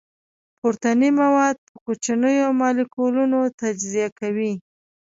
پروتیني مواد په کوچنیو مالیکولونو تجزیه کوي.